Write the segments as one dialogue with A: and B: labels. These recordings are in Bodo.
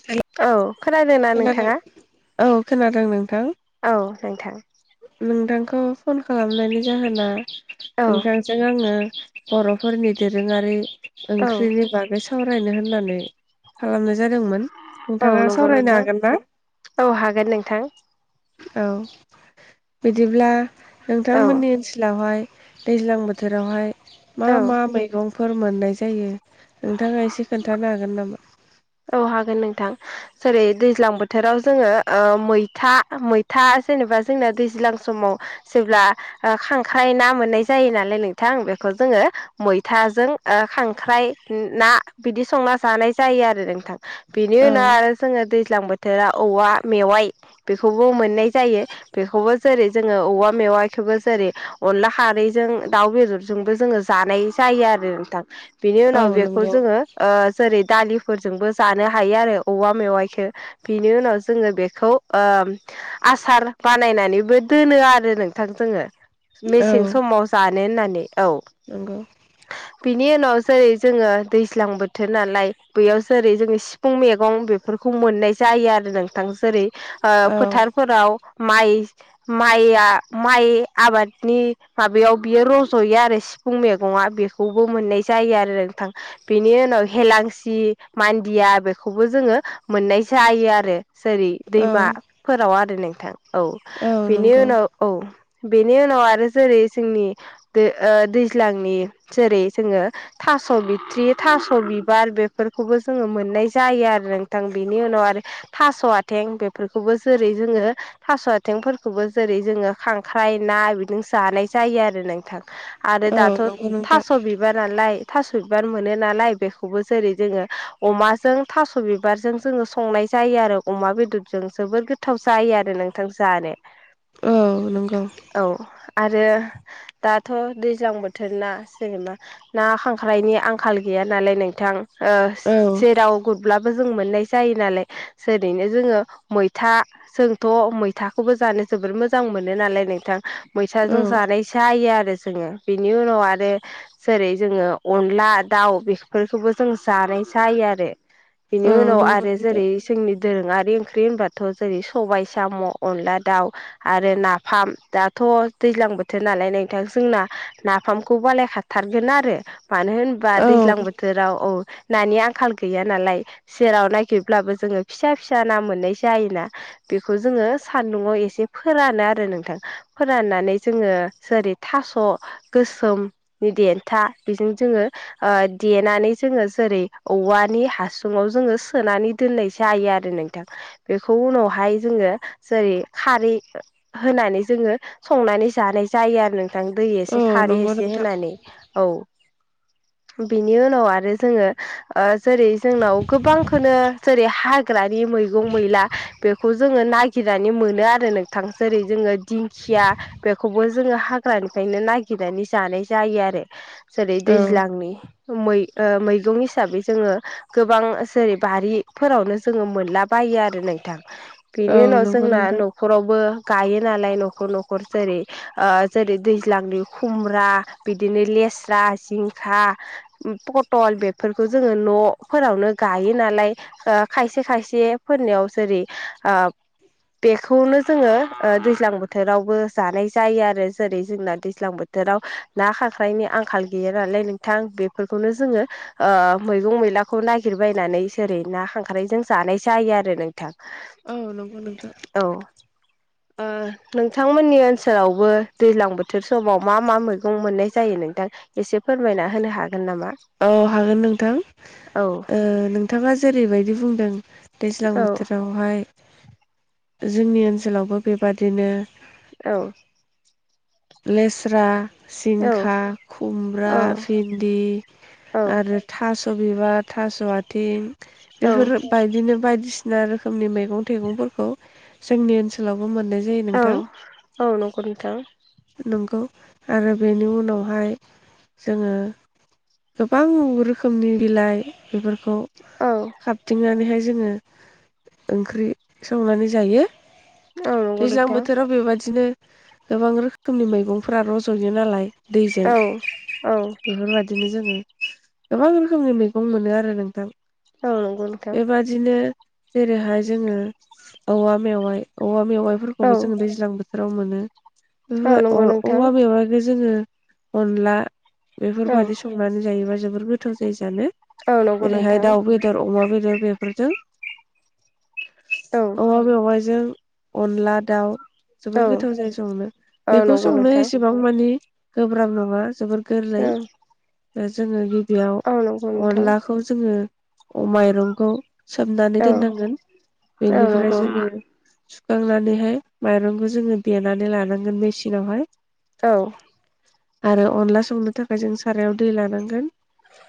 A: [inaudible]
B: औ खोनादों ना नोंथाङा?
A: औ खोनादों नोंथां।
B: औ नोंथां।
A: नोंथांखौ फन खालामनायनि जाहोना
B: औ
A: नोंथां जों आङो बर'फोरनि दोरोङारि
B: औ
A: ओंख्रिनि बागै सावरायनो होननानै खालामनाय जादोंमोन।
B: औ
A: नोंथाङा
B: नंगौ
A: सावरायनो
B: नोंथां
A: हागोनना?
B: औ हागोन नोंथां
A: औ बिदिब्ला
B: औ
A: नोंथांमोननि ओनसोलावहाय दैज्लां बोथोरावहाय मा
B: औ
A: मा मैगं फोर मोननाय जायो नोंथाङा एसे खोन्थानो हागोन नामा?
B: औ हागोन नोंथां। जेरै दैज्लां बोथोराव जोङो ओ मैथा मैथा जेनेबा जोंना दैज्लां समाव जेब्ला ओ खांख्राइ ना मोननाय जायो नालाय नोंथां बेखौ जोङो मैथाजों ओ खांख्राइ ना बिदि संना जानाय जायो आरो नोंथां बेनि
A: औ
B: उनाव आरो जोङो दैज्लां बोथोराव औवा मेवाइ बेखौबो मोननाय जायो। बेखौबो जेरै जोङो औवा मेवाइखोबो जेरै अनला खारैजों दाउ बेदरजोंबो जोङो जानाय जायो आरो नोंथां बिनि
A: औ
B: उनाव बेखौ
A: नंगौ
B: जोङो ओ जेरै दालिफोरजोंबो जानो हायो आरो औवा मेवाइखो। बिनि उनाव जोङो बेखौ ओम आसार बानायनानैबो दोनो आरो नोंथां जोङो।
A: औ
B: मेसें समाव जानो होननानै औ।
A: नंगौ।
B: बिनि उनाव जेरै जोङो दैज्लां बोथोर नालाय बैयाव जेरै जोङो सिफुं मेगं बेफोरखौ मोननाय जायो आरो नों थां जेरै ओ
A: औ
B: फोथारफोराव माइ माइआ माइ आबादनि माबायाव बियो रज'यो आरो सिफुं मेगङा बेखौबो मोननाय जायो आरो। नोंथां बेनि उनाव हेलांसि मान्दिया बेखौबो जोङो मोननाय जायो आरो। जेरै
A: औ
B: दैमाफोराव आरो नोंथां औ बेनि उनाव औ बेनि उनाव आरो जेरै जोंनि ओ दैज्लांनि जेरै जोङो था स' बिथ्रि थास' बिबार बेफोरखौबो जोङो मोननाय जायो आरो नोंथां बेनि उनाव आरो थास' आथें बेफोरखौबो जेरै जोङो थास' आथेंफोरखौबो जेरै जोङो खांख्राइ ना बिजों जानाय जायो आरो नोंथां आरो
A: औ
B: दाथ'
A: नंगौ नोंथां
B: थास' बि बार नालाय थास' बिबार मोनो नालाय बेखौबो जेरै जोङो अमाजों थास' बिबारजों जोङो संनाय जायो आरो अमा बेदरजों जोबोद गोथाव जायो आरो नोंथां जानो।
A: औ नंगौ।
B: औ आरो दाथ' दैज्लां बोथोर ना जेनेबा ना खां ख्राइनि आंखाल गैया नालाय नोंथां ओ
A: औ
B: जेराव गुरब्लाबो जों मोननाय जायो नालाय जेरैनो जोङो मैथा जोंथ' मैथाखौबो जानो जोबोद मोजां मोनो नालाय नोंथां।
A: औ
B: मैथाजों जानाय जायो आरो जोङो बेनि उनाव आरो जेरै जोङो अनला दाउ बेफोरखौबो जों जानाय जायो आरो। बिनि
A: औ
B: उनाव
A: नंगौ
B: आरो
A: नोंथां
B: जेरै जोंनि दोरोङारि ओंख्रि होनब्लाथ' जेरै सबाय साम' अनला दाउ आरो नाफाम दाथ' दैज्लां बोथोर नालाय नोंथां जोंना नाफामखौ बानायखा थारगोन आरो मानो होनबा
A: औ
B: दैज्लां बोथोराव औ नानि आंखाल गैया नालाय। सेराव नायगिरब्लाबो जोङो फिसा फिसा ना मोननाय जायोना। बेखौ जोङो सान्दुङाव एसे फोरानो आरो नोंथां फोराननानै जोङो जेरै थास' गोसोमनि देन्था बेजों जोङो देनानै जोङो जेरै औवानि हासुङाव जोङो सोनानै दोननाय जायो आरो नोंथां बेखौ उनावहाय जोङो जेरै खारै होनानै जोङो संनानै जानाय जायो आरो नों थां दै
A: औ
B: एसे खारै
A: नंगौ
B: एसे
A: नोंथां
B: होनानै औ। बिनि उनाव आरो जोङो ओ जेरै जोंनाव गोबांखोनो जेरै हा हाग्रानि मैगं मैला बेखौ जोङो नागिरनानै मोनो आरो नोंथां जेरै जोङो दिंखिया बेखौबो जोङो हाग्रानिफ्रायनो नागिरनानै जानाय जायो आरो। जेरै
A: औ
B: दैज्लांनि मै मैगं हिसाबै जोङो गोबां जेरै बारि फोरावनो जोङो मोनलाबायो आरो नोंथां। बेनि
A: औ
B: उनाव
A: नंगौ
B: जोंना
A: नोंथां
B: न'खरावबो गायो नालाय न'खर न'खर जेरै ओ जेरै दैज्लांनि खुमब्रा बिदिनो लेस्रा जिंखा पटल बेफोरखौ जोङो न'फोरावनो गायो नालाय ओ खायसे खायसे फोरनियाव जेरै बेखौनो जोङो दैज्लां बो थोरावबो जानाय जायो आरो जेरै जोंना दैज्लां बोथोराव ना खांख्राइनि आं खाल गैया नालाय नोंथां बेफोरखौनो जोङो मैगं मैलाखौ नागिरबायनानै जेरै ना खांख्रायजों जानाय जायो आरो नों
A: औ नंगौ नोंथां
B: औ
A: [inaudible]
B: ओ नोंथांमोननि ओनसोलावबो दैज्लां बोथोर समाव मा मा मैगं मोननाय जायो नोंथां एसे फोरमायना होनो हागोन नामा?
A: औ हागोन नोंथां
B: औ
A: नोंथाङा जेरैबायदि बुंदों दैज्लां
B: औ
A: बोथोरावहाय जोंनि ओनसोलावबो बेबादिनो
B: औ
A: लेस्रा
B: औ
A: सिंखा खुमब्रा भिन्दि
B: औ
A: आरो थास' बिबार थास' आथिं
B: औ
A: बेफोरबायदिनो बायदिसि ना रोखोमनि मैगं थाइगंफोरखौ जोंनि ओनसोलावबो मोननाय जायो
B: औ
A: नोंथां।
B: औ नंगौ नोथां।
A: नंगौ आरो बेनि उनावहाय जोङो गोबां रोखोमनि बिलाइ बेफोरखौ
B: औ
A: हाबथिंनानैहाय जोङो ओंख्रि संनानै जायो
B: औ नंगौ
A: दैज्लां
B: नोंथां
A: बोथोराव बेबादिनो गोबां रोखोमनि मैगंफोरा रज'यो नालाय दैजों
B: औ औ
A: बेफोरबा दिनो जोङो गोबां रोखोमनि मैगं मोनो आरो नोंथां।
B: औ नंगौ नोंथां।
A: बिदिनो जेरैहाय जोङो औवा मेवाइ औवा मेवाइ
B: औ
A: फोरखौबो जोङो दैज्लां बोथोराव मोनो
B: औ
A: ओहो
B: नंगौ
A: अ
B: नोंथां
A: औवा मेवाइखौ जोङो अनला
B: औ
A: बेफोरबायदि संनानै जायोबा जोबोर गोथाव जायो जानो
B: औ नंगौ
A: ओेरैहाय
B: नोंथां
A: दाउ बे दर अमा बेदर बेफोरजों
B: औ
A: औवा मेवाइजों अनला दाउ जोबोर
B: औ
A: गोथाव जायो संनो
B: औ नंगौ नोंथां औ
A: बेखौ
B: नंगौ
A: संनो
B: नोंथां
A: एसेबां मानि गोब्राब नङा जोबोर गोरलै जोङो गिबियाव
B: औ नंगौ औ औ नंगौ नोंथां औ नंगौ नोंथां
A: अनलाखौ जोङो माइरंखौ सोमनानै
B: औ
A: दोननांगोन बेनिफ्राय
B: औ
A: जोङो सुखांनानैहाय माइरंखौ जोङो देनानै लानांगोन मेचिनावहाय
B: औ
A: आरो अनला संनो थाखाय जों सारायाव दै लानांगोन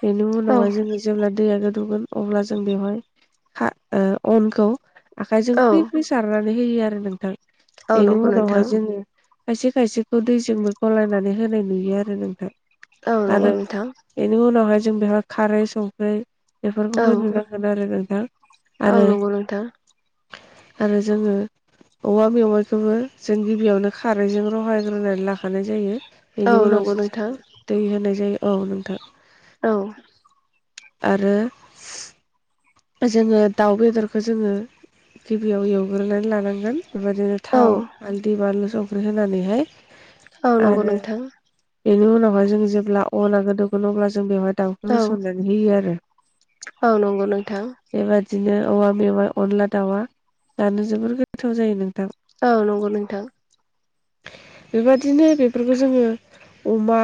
A: बेनि उनावहाय जोङो जेब्ला दैया गोदौगोन अब्ला जों बेवहाय हा अनखौ आखाइजों फ्रि फ्रि सारनानै होयो आरो नोंथां बेनि
B: नंगौ
A: उनावहाय
B: नोंथां
A: जोङो खायसे खायसेखौ दैजोंबो गलायनानै होनाय नुयो आरो नोंथाय
B: औ नंगौ
A: आरो
B: नोंथां
A: बेनि उनावहाय जों बेहाय खारै, संख्रै बेफोरखौ
B: औ
A: होनो नांगोन आरो नोंथां
B: औ औ
A: आरो
B: नंगौ
A: आरो जोङो औवा मेवाइखौबो जों गिबियावनो खा खारैजों रहायग्रोनानै लाखानाय जायो बेनि उनावसो
B: नोंथां
A: जोङो दै होनाय जायो औ नोंथां।
B: औ
A: आरो जोङो दाउ बेदरखौ जोङो गिबियाव एवग्रोनानै लानांगोन बेबायदिनो थाव हालदि बानलु संख्रि होनानैहाय आरो बेनि उनावहाय जों जेब्ला अना गोदौगोन अब्ला जों बेवहाय दाउखौ होसननानै होयो आरो
B: औ नंगौ नोंथां।
A: बेबादिनो औवा मेवाइ अनला दाउआ जानो जोबोर गोथाव जायो नोंथां।
B: औ नंगौ नोंथां।
A: बेबायदिनो बेफोरखौ जोङो अमा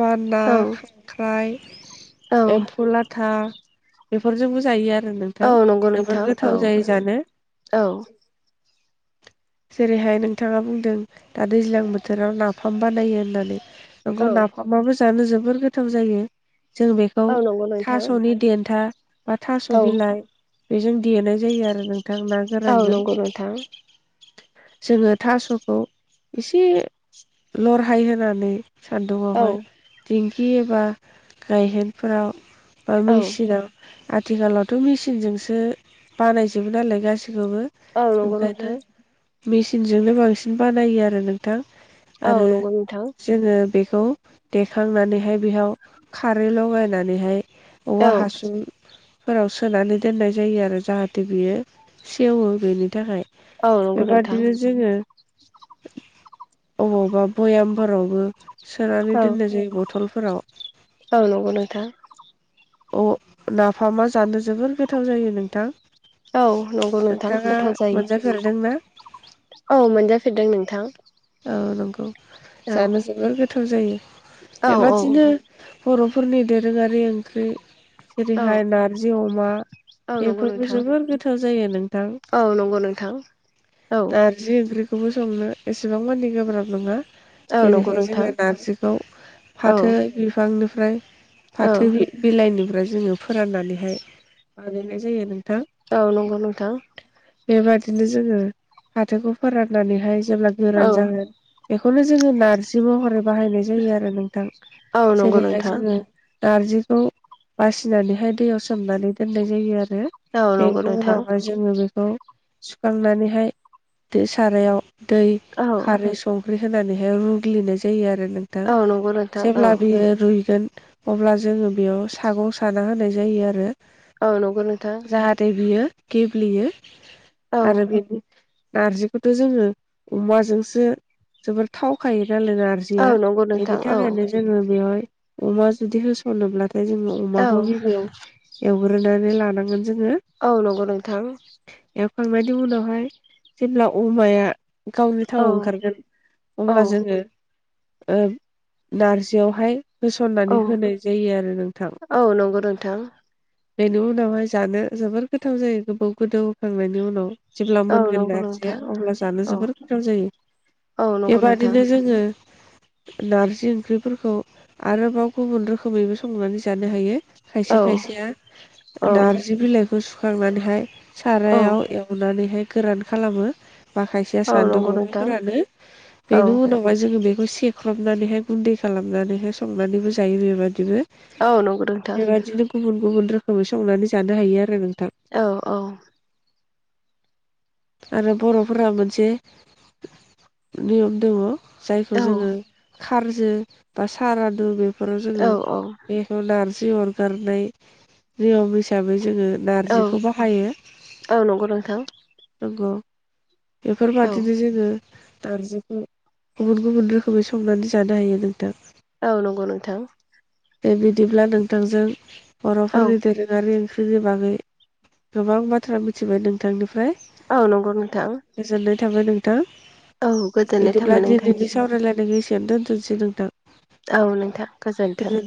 A: बा ना
B: औ
A: खांख्राय
B: औ
A: एम्फौ लाथा बेफोरजोंबो जायो आरो
B: औ
A: नोंथां
B: नंगौ
A: जोबोर
B: नोंथां औ
A: गोथाव जायो जानो।
B: औ
A: जेरैहाय नोंथाङा बुंदों दा दैज्लां बोथोराव नाफाम बानायो होननानै
B: औ
A: नोंगौ नाफामाबो जानो जोबोर गोथाव जायो जों बे खौ
B: औ नंगौ नोंथां
A: थास'नि देन्था बा थास'
B: औ
A: बिलाइ बेजों देनाय जायो आरो नोंथां ना
B: औ
A: गोरानजों
B: नंगौ नोंथां
A: जोङो थास'खौ एसे लरहाय होनानै
B: औ
A: सान्दुुंआवहाय दिंखि एबा गायहेनफोराव बा
B: औ
A: मेचिनाव आथिखालावथ' मेचिनजोंसो बानायजोबो नालाय गासिखौबो
B: औ नंगौ
A: ओंखायनो
B: नोंथां
A: मेसिनजोंनो बांसिन बानायो आरो नोंथां
B: औ
A: आरो
B: नंगौ नोंथां।
A: जोङो बेखौ देखांनानैहाय बेयाव खारै लगायनानैहाय औवा
B: औ
A: हासुं फोराव सोनानै दोननाय जायो आरो जाहाथे बियो सेवो बेनि थाखाय
B: औ नंगौ नोंथां
A: बेबादिनो जोङो अबावबा भयामफोरावबो सोनानै दोननाय जायो ब टलफोराव
B: आं नंगौ नोंथां।
A: अ नाफामा जानो जोबोर गोथाव जायो नोंथां।
B: औ नंगौ नोंथां
A: नोंथाङा
B: गोथाव जायो
A: मोनजाफेरदोंना
B: औ मोनजाफेरदों नोंथां।
A: औ नंगौ
B: औ
A: जानो जोबोर गोथाव जायो।
B: औ औ
A: बेबादिनो बर'फोरनि दोरोङारि ओंख्रि
B: औ
A: जेरैहाय नारजि अमा
B: औ नंगौ
A: बेफोरबो
B: नोंथां
A: जोबोर गोथाव जायो नोंथां
B: औ नंगौ नोंथां औ
A: जि ओंख्रिखौबो संनो एसेबां मानि गोब्राब नङा।
B: औ नंगौ
A: जेरैहाय
B: नोंथां
A: जोङो नारजिखौ
B: औ
A: फाथो बिफांनिफ्राय
B: औ
A: फाथो बिलाइनिफ्राय जोङो फोराननानैहाय बानायनाय जायो नोंथां।
B: औ नंगौ नोंथां।
A: बेबादिनो जोङो फाथोखौ फोराननानैहाय जेब्ला
B: औ
A: गोरान जागोन बेखौनो जोङो नारजि महरै बाहायनाय जायो आरो नोंथां
B: औ नंगौ
A: जेरैहाय
B: नोंथां
A: जोङो नार्जिखौ बासिनानैहाय दैयाव सोमनानै दोननाय जायो आरो
B: औ नंगौ
A: बेनि
B: नोंथां
A: उनावहाय जोङो बेखौ सुखांनानैहाय दो सारायाव दै
B: औ
A: खारै संख्रि होनानैहाय रुग्लिनाय जायो आरो नों
B: औ नंगौ नोंथां औ
A: जेब्ला बियो रुइगोन अब्ला जोङो बेयाव सागं साना होनाय जायो आरो
B: औ नंगौ नोंथां
A: नाथाय बियो गेब्लेयो
B: औ
A: आरो बिनि नारजिखौथ' जोङो अमाजोंसो जोबोर थावखायो नालाय
B: औ
A: नारजिया
B: नंगौ
A: बेनि
B: नोंथां औ
A: थाखायनो जोङो बेवहाय अमा जुदि होस'नोब्लाथाय जोङो
B: औ
A: अमाखौ गिबियाव एवग्रोनानै लानांगोन जोङो
B: औ नंगौ नोंथां।
A: एवखांनायनि उनावहाय जेब्ला अमाया गावनि थाव
B: औ
A: ओंखारगोन
B: औ
A: अब्ला जोङो ओ नारजियावहाय
B: औ
A: होसननानै होनाय जायो आरो नों
B: औ नंगौ नोंथां
A: बेनि उनावहाय जानो जोबोर गोथाव जायो गोबाव गोदौखांनायनि उनाव जेब्ला
B: औ
A: मोनगोन
B: नंगौ
A: नारजिाया
B: नोंथां
A: अब्ला जानो
B: औ
A: जोबोर गोथाव जायो
B: औ नंगौ नोंथां
A: बेबादिनो जोङो नारजि ओंख्रिफोरखौ आरोबाव गुबुन रोखोमैबो संनानै जानो हायो खायसे
B: औ
A: खायसेया
B: औ
A: नारजि बिलाइखौ सुखांनानैहाय
B: औ
A: सारायाव एव नानैहाय गोरान खालामनो बा खायसेया
B: औ नंगौ
A: सान्दुंआव
B: नोंथां
A: फोरानो
B: औ
A: बेनि उनाव जोङो बेखौ सेक्रबनानैहाय गुन्दै खालामनानैहाय संनानैबो जायो बेबादिबो
B: औ नंगौ नोंथां
A: बेबादिनो गुबुन गुबुन रोखोमै संनानै जानो हायो आरो नोंथां
B: औ
A: आरो बर'फोरा मोनसे नियम दङ जायखौ
B: औ
A: जोङो खारजो बा सारादु बेफोराव जोङो
B: औ
A: बे नार्जि अरगारनाय नियम हिसाबै जोङो
B: औ
A: नार्जिखौ बाहायो
B: औ नंगौ नोंथां
A: नंगौ
B: औ
A: बेफोरबादिनो जोङो नारजिखौ गुबुन गुबुन रोखोमै संनानै जानो हायो नोंथां
B: औ नंगौ नोंथां
A: बे बिदिब्ला नोंथांजों
B: औ
A: बर'फोरनि दोरों यारि ओंख्रिनि बागै गोबां बाथ्रा मिथिबाय नोंथांनिफ्राय
B: औ नंगौ नोंथां
A: गोजोननाय थाबाय नोंथां
B: औ गोजोननाय थाबाय
A: बिदिब्ला दिनैनि
B: नोंथांनिसिम
A: सावरायलायनायनि दोन्थनोसै नोंथां
B: औ नोंथां गोजोन्थों